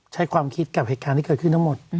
ใช้ความคิดกับเหตุการณ์ที่เกิดขึ้นทั้งหมด